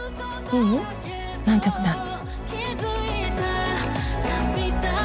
ううん何でもない。